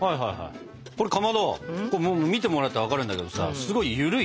これかまど見てもらったら分かるんだけどさすごいゆるい。